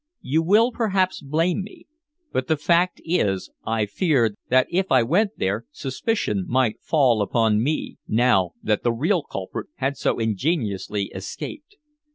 You will perhaps blame me, but the fact is I feared that if I went there suspicion might fall upon me, now that the real culprit had so ingeniously escaped.